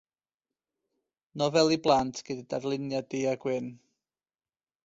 Nofel i blant gyda darluniau du-a-gwyn.